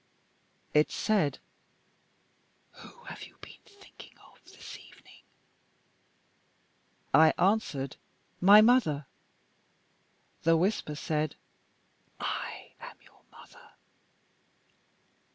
It said: "Who have you been thinking of this evening?" I answered: "My mother." The whisper said: "I am your mother."